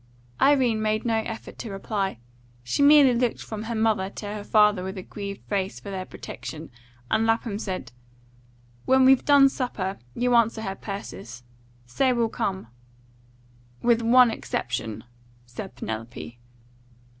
Irene made no effort to reply. She merely looked from her mother to her father with a grieved face for their protection, and Lapham said, "When we've done supper, you answer her, Persis. Say we'll come." "With one exception," said Penelope.